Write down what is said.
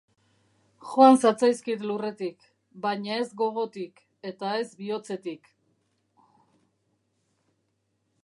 Joan zatzaizkit lurretik, baina ez gogotik, eta ez bihotzetik.